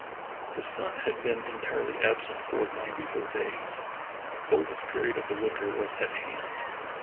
The sun had been entirely absent for ninety four days, and the coldest period of the winter was at hand.